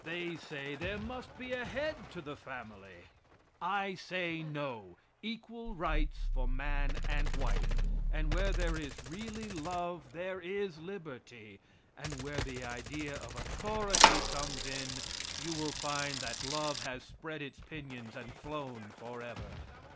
They say there must be a head to the family. I say no equal rights for man and wife, and where there is really love there is liberty, and where the idea of authority comes in you will find that love has spread its pinions and flown forever.